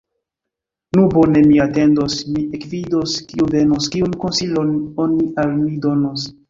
Nu bone, mi atendos, mi ekvidos, kiu venos, kiun konsilon oni al mi donos!